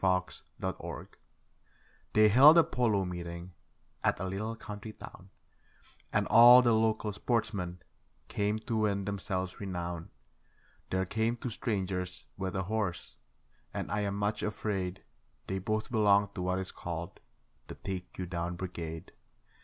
Out of Sight They held a polo meeting at a little country town, And all the local sportsmen came to win themselves renown. There came two strangers with a horse, and I am much afraid They both belonged to what is called 'the take you down brigade'.